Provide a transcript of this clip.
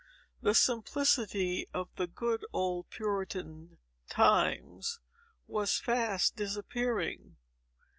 The simplicity of the good old Puritan times was fast disappearing.